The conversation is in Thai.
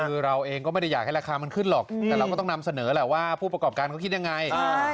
คือเราเองก็ไม่ได้อยากให้ราคามันขึ้นหรอกแต่เราก็ต้องนำเสนอแหละว่าผู้ประกอบการเขาคิดยังไง